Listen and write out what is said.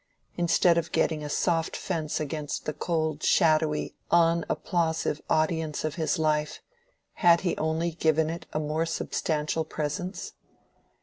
Instead of getting a soft fence against the cold, shadowy, unapplausive audience of his life, had he only given it a more substantial presence?